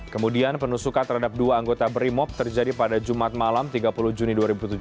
kemudian penusukan terhadap dua anggota brimob terjadi pada jumat malam tiga puluh juni dua ribu tujuh belas